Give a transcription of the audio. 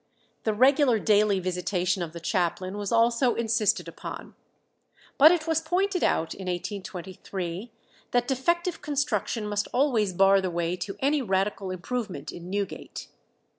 The regular daily visitation of the chaplain was also insisted upon. But it was pointed out in 1823 that defective construction must always bar the way to any radical improvement in Newgate.